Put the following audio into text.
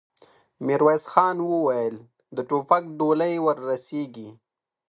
ميرويس خان وويل: د ټوپک ډولۍ ور رسېږي؟